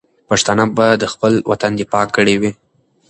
پښتانه به د خپل وطن دفاع کړې وي.